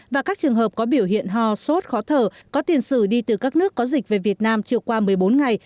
và các trường hợp có biểu hiện ho sốt khó thở có tiền sử đi từ các nước có dịch về việt nam chiều qua một mươi bốn ngày